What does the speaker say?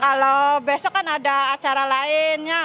kalau besok kan ada acara lainnya